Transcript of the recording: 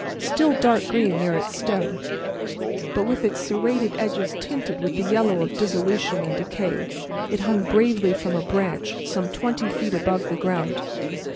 Still dark green near its stem, but with its serrated edges tinted with the yellow of dissolution and decay, it hung bravely from a branch some twenty feet above the ground.